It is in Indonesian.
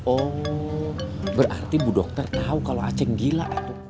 oh berarti bu dokter tau kalau aceh gila